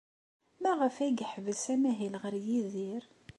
Maɣef ay yeḥbes amahil ɣer Yidir?